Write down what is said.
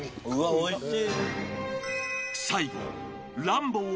おいしい！